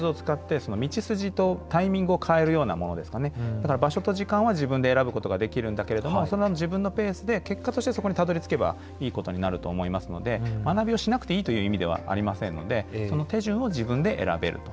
だから場所と時間は自分で選ぶことができるんだけれども自分のペースで結果的としてそこにたどりつけばいいことになると思いますので学びをしなくていいという意味ではありませんのでその手順を自分で選べると。